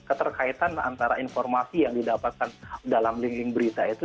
keterkaitan antara informasi yang didapatkan dalam link link berita itu